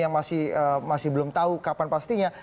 yang masih belum tahu kapan pastinya